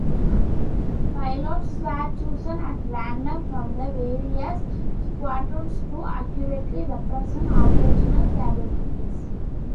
Pilots were chosen at random from the various squadrons to accurately represent operational capabilities.